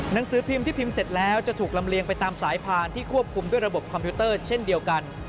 หนังสือพิมพ์ที่พิมพ์เสร็จแล้วจะถูกลำเลียงไปตามสายพานที่ควบคุมด้วยระบบคอมพิวเตอร์เช่นเดียวกัน